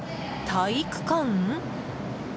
体育館？